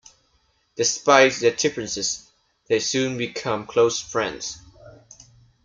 Despite their differences, they soon become close friends.